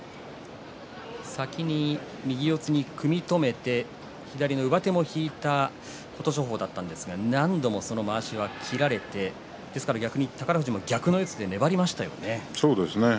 先に右四つに組み止めて左の上手も引いた琴勝峰だったんですが何度も、そのまわしが切られて逆に宝富士、粘りましたね。